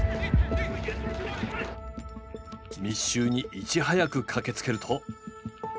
密集にいち早く駆けつけると。